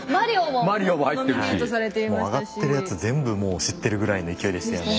もうあがってるやつ全部もう知ってるぐらいの勢いでしたよね。